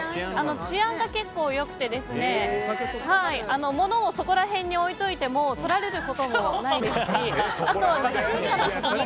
治安が結構良くて物をそこら辺に置いておいてもとられることはないですい。